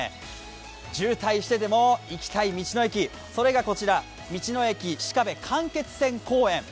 渋滞してでも行きたい道の駅、それがこちら道の駅しかべ間歇泉公園